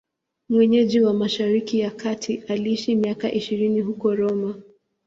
Mwenyeji wa Mashariki ya Kati, aliishi miaka ishirini huko Roma.